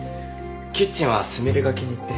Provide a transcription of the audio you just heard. キッチンは純恋が気に入って。